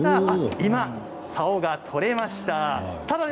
今、さおが取れました。